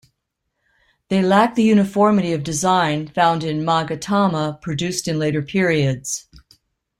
They lack the uniformity of design found in magatama produced in later periods.